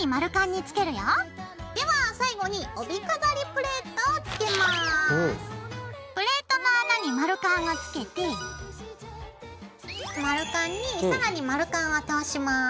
プレートの穴に丸カンを付けて丸カンに更に丸カンを通します。